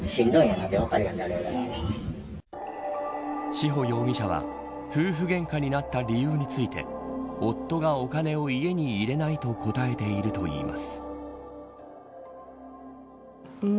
志保容疑者は夫婦げんかになった理由について夫がお金を家に入れないと答えているといいます。